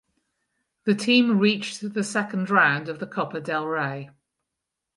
The team reached the second round of the Copa del Rey.